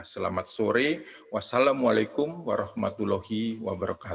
selamat sore wassalamualaikum warahmatullahi wabarakatuh